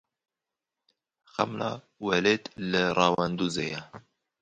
Xemla Welêt li Rewandûzê ye.